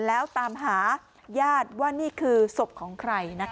แล้วตามหาญาติว่านี่คือศพของใครนะคะ